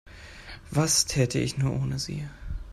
Was täte ich nur ohne Sie?